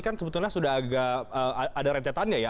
kan sebetulnya sudah agak ada rentetannya ya